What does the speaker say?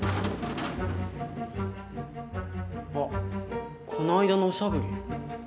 あっこの間のおしゃぶり。